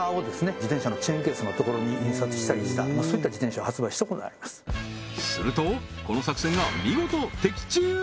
自転車のチェーンケースの所に印刷したりしたそういった自転車を発売したことありますするとこの作戦が見事的中！